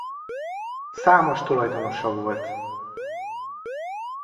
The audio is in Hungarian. Számos tulajdonosa volt.